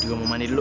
gue mau mandi dulu